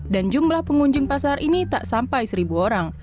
dan jumlah pengunjung pasar ini tak sampai satu orang